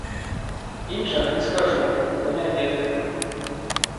Іншага не скажу, бо не ведаю.